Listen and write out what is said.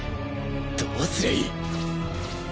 どうすりゃいい！？